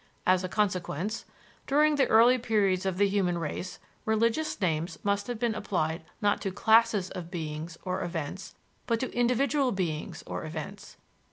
As a consequence, "during the early periods of the human race, religious names must have been applied not to classes of beings or events but to individual beings or events.